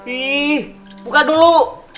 ih buka dulu